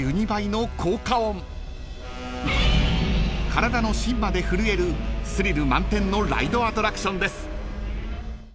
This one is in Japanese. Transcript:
［体の芯まで震えるスリル満点のライドアトラクションです］